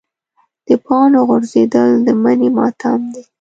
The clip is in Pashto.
د پاڼو غورځېدل د مني ماتم دی.